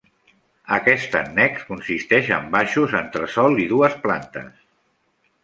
Aquest annex consisteix en baixos, entresòl i dues plantes.